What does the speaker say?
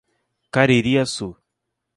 Caririaçu